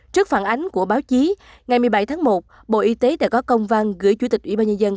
trước phản ánh của báo chí ngày một mươi bảy tháng một bộ y tế đã có công văn gửi chủ tịch ủy ban nhân dân